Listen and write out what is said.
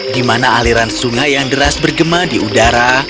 di mana aliran sungai yang deras bergema di udara